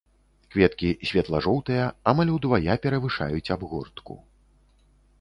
Кветкі светла-жоўтыя, амаль удвая перавышаюць абгортку.